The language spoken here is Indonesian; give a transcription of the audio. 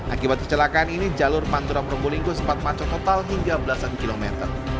akibat kecelakaan ini jalur pantura probolinggo sempat maco total hingga belasan kilometer